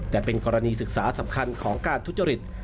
แต่เป็นกรณีศึกษาสำคัญของการทุจริต